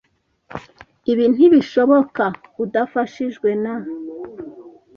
Ibi ntibishoboka udafashijwe na .